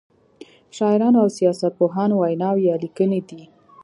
شاعرانو او سیاست پوهانو ویناوی یا لیکنې دي.